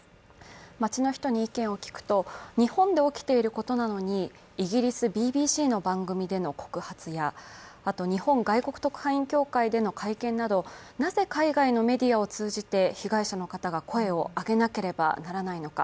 街の人に意見を聞くと、日本で起きていることなのにイギリスＢＢＣの番組での告発や、日本外国特派員協会での会見などなぜ海外のメディアを通じて被害者の方が声を上げなければならないのか。